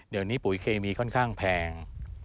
เดี๋ยวนี้ปุ๋ยเคมีค่อนข้างแพง